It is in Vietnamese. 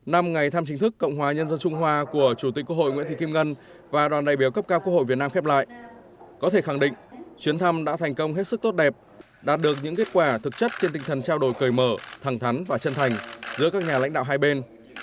năm ngày thăm chính thức cộng hòa nhân dân trung hoa của chủ tịch quốc hội nguyễn thị kim ngân và đoàn đại biểu cấp cao quốc hội việt nam khép lại có thể khẳng định chuyến thăm đã thành công hết sức tốt đẹp đạt được những kết quả thực chất trên tinh thần trao đổi cởi mở thẳng thắn và chân thành giữa các nhà lãnh đạo hai bên